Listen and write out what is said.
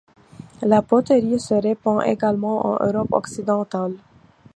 La poterie se répand également en Europe Occidentale.